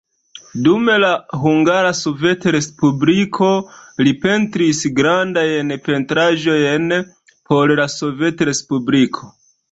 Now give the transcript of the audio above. Dum la Hungara Sovetrespubliko li pentris grandajn pentraĵojn por la Sovetrespubliko.